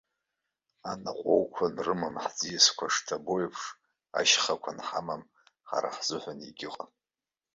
Анаҟәоуқәа анрымам, ҳӡиасқәа шҭабо еиԥш, ашьхақәа анҳамам, ҳара ҳзыҳәан егьыҟам.